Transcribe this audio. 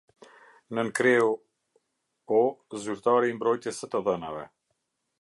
Nën-kreu O Zyrtari i Mbrojtjes së të Dhënave.